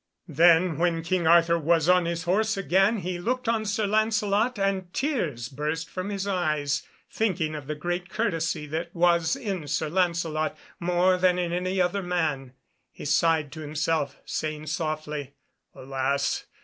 Then when King Arthur was on his horse again he looked on Sir Lancelot, and tears burst from his eyes, thinking of the great courtesy that was in Sir Lancelot more than in any other man. He sighed to himself, saying softly, "Alas!